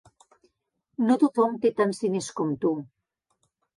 No tothom té tants diners com tu.